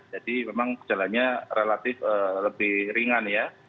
jadi memang jalannya relatif lebih ringan ya